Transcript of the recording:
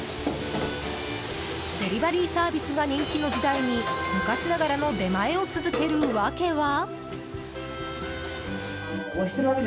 デリバリーサービスが人気の時代に昔ながらの出前を続ける訳は？